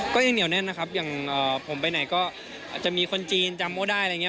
ก็ยังเหนียวแน่นนะครับอย่างผมไปไหนก็อาจจะมีคนจีนจำโม่ได้อะไรอย่างนี้